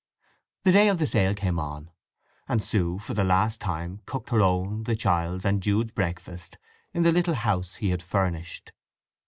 The day of the sale came on; and Sue for the last time cooked her own, the child's, and Jude's breakfast in the little house he had furnished.